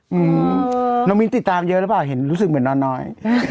อืมน้องมิ้นติดตามเยอะหรือเปล่าเห็นรู้สึกเหมือนนอนน้อย